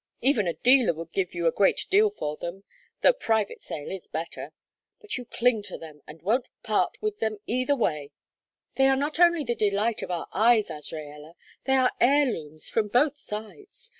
Even a dealer would give you a great deal for them, though private sale is better. But you cling to them, and won't part with them either way!" "They are not only the delight of our eyes, Azraella; they are heirlooms from both sides.